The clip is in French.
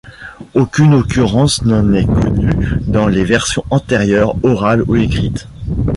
Aucune occurrence n'en est connue dans les versions antérieures, orales ou écrites.